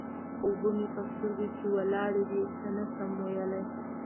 اوبه مې په سترګو کې ولاړې دې؛ څه نه شم ويلای.